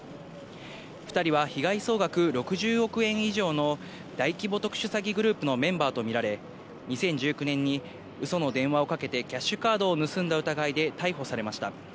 ２人は被害総額６０億円以上の大規模特殊詐欺グループのメンバーと見られ、２０１９年にうその電話をかけてキャッシュカードを盗んだ疑いで逮捕されました。